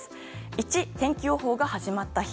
１、天気予報が始まった日。